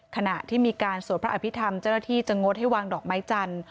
ขณะที่มีการสวดพระอภิษฐรรมเจ้าหน้าที่จะงดให้วางดอกไม้จันทร์